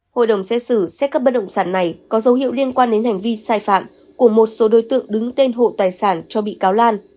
hội đồng xét xử xét cấp bất động sản này có dấu hiệu liên quan đến hành vi sai phạm của một số đối tượng đứng tên hộ tài sản cho bị cáo lan